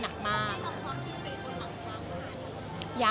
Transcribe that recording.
เพราะไม่กลับขับที่เพจคนหลังทะลา